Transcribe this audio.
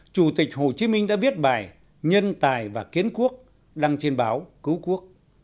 chủ tịch hồ chí minh đã viết bài nhân tài và kiến quốc đăng trên báo cứu quốc